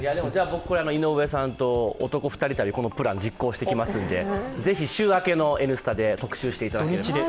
僕、井上さんと男２人旅このプラン実行してきますのでぜひ週明けの「Ｎスタ」で特集していただければ。